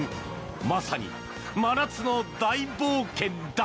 まさに、真夏の大冒険だ。